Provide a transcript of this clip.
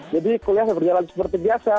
jadi kuliah saya berjalan seperti biasa